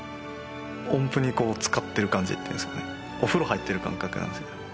音符につかってる感じっていうんですかねお風呂入ってる感覚なんですよね